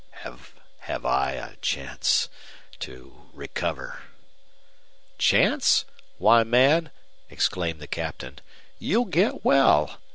"Have I a chance to recover?" "Chance? Why, man," exclaimed the Captain, "you'll get well!